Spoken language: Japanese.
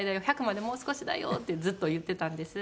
１００までもう少しだよ」ってずっと言ってたんです。